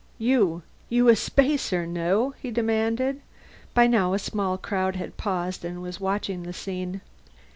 "You you a spacer, no?" he demanded. By now a small crowd had paused and was watching the scene.